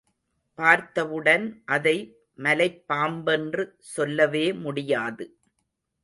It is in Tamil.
பார்த்தவுடன் அதை மலைப்பாம்பென்று சொல்லவே முடியாது.